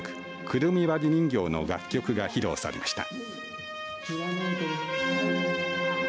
くるみ割り人形の楽曲が披露されました。